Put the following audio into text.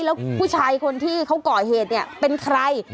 แล้วผู้ชายคนที่เขาก่อเหตุเนี่ยเป็นใคร